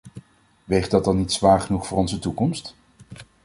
Weegt dat al niet zwaar genoeg voor onze toekomst?